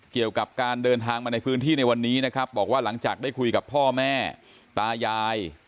เกี่ยวกับการเดินทางมาในพื้นที่ในวันนี้นะครับบอกว่าหลังจากได้คุยกับพ่อแม่ตายาย